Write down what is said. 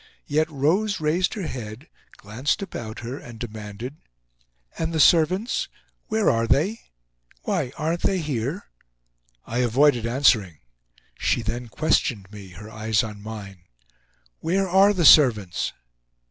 Yet Rose raised her head, glanced about her and demanded: "And the servants? Where are they? Why, aren't they here?" I avoided answering. She then questioned me, her eyes on mine. "Where are the servants?"